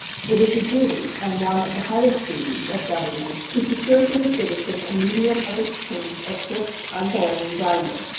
It is a duty, and one of the highest duties, of Government to secure to the citizen a medium of exchange of fixed, unvarying value.